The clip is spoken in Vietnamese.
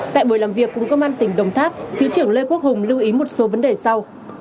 tại buổi làm việc cùng công an tỉnh đồng tháp thứ trưởng lê quốc hùng lưu ý một số vấn đề sau